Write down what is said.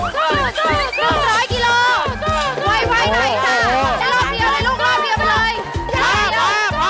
๑๐๐กิโลกรัม